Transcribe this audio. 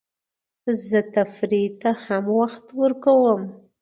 زه تفریح ته هم وخت ورکوم.